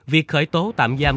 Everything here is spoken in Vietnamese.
việc khởi tố tạm giam